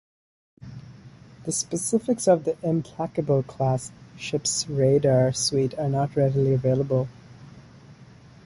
The specifics of the "Implacable"-class ships' radar suite are not readily available.